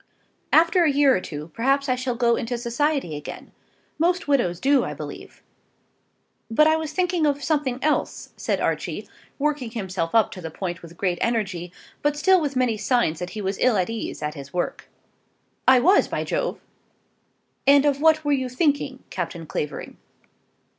After a year or two, perhaps I shall go into society again. Most widows do, I believe." "But I was thinking of something else," said Archie, working himself up to the point with great energy, but still with many signs that he was ill at ease at his work. "I was, by Jove!" "And of what were you thinking, Captain Clavering?"